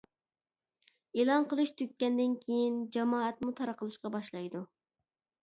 ئېلان قىلىش تۈگىگەندىن كېيىن جامائەتمۇ تارقىلىشقا باشلايدۇ.